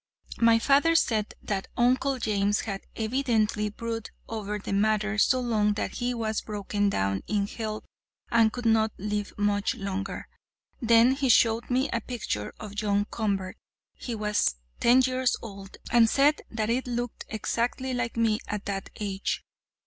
My father said that Uncle James had evidently brooded over the matter so long that he was broken down in health and could not live much longer. Then he showed me a picture of John Convert, when he was ten years old, and said that it looked exactly like me at that age.